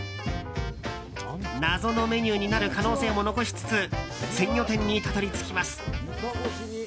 謎のメニューになる可能性も残しつつ鮮魚店にたどり着きます。